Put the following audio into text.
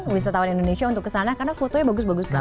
wisatawan indonesia untuk kesana karena fotonya bagus bagus sekali